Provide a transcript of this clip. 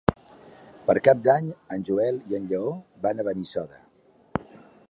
Per Cap d'Any en Joel i en Lleó van a Benissoda.